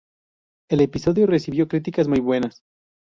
El episodio recibió críticas muy buenas.